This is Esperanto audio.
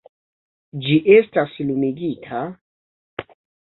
- Ĝi estas lumigita...